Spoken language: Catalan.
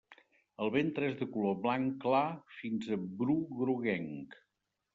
El ventre és de color blanc clar fins a bru groguenc.